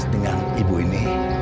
dengan ibu ini